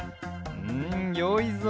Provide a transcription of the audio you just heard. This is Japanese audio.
うんよいぞ。